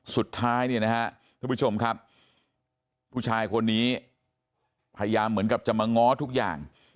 สุดท้ายเนี่ยนะฮะทุกผู้ชมครับผู้ชายคนนี้พยายามเหมือนกับจะมาง้อทุกอย่าง